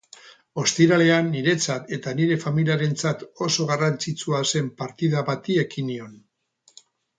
Ostiralean, niretzat eta nire familiarentzat oso garrantzitsua zen partida bati ekin nion.